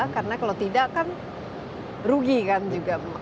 karena kalau tidak kan rugi kan juga